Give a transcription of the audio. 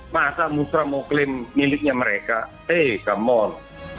masa musra mau klaim miliknya mereka hey come on